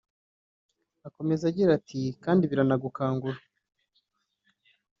Akomeza agira ati “ Kandi biranagukangura